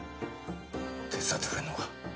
手伝ってくれるのか？